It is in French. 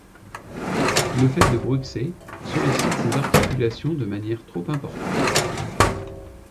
Le fait de bruxer sollicite ces articulations de manière trop importante.